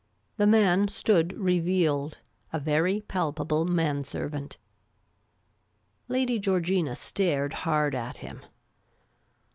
The man stood revealed, a very palpable man servant. Lady Georgina stared hard at him.